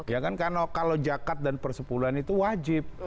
ya kan kalau zakat dan persepuluhan itu wajib